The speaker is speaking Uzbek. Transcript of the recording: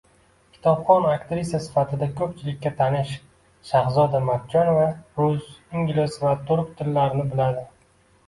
Kitobxon aktrisa sifatida ko‘pchilikka tanish Shahzoda Matchonova rus, ingliz va turk tillarini biladi